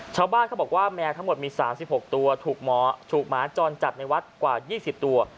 ชาวบ้านเขาบอกว่าแมวทั้งหมดมี๓๖ตัวถูกหมาจรจัดในวัดกว่า๒๐ตัว